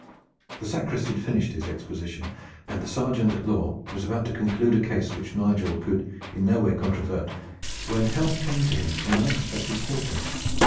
The sacrist had finished his exposition, and the sergeant at law was about to conclude a case which Nigel could in no way controvert, when help came to him from an unexpected quarter.